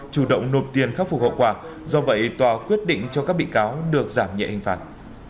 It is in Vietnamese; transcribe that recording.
chủ động nộp tiền khắc phục hậu quả do vậy tòa quyết định cho các bị cáo được giảm nhẹ hình phạt